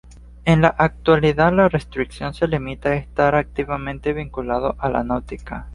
En la actualidad la restricción se limita a estar "activamente vinculado a la náutica".